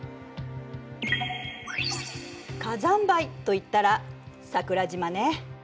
火山灰といったら桜島ね。